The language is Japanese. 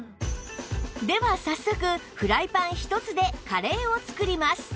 では早速フライパンひとつでカレーを作ります